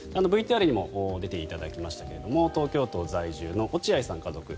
ＶＴＲにも出ていただきましたが東京都在住の落合さん家族。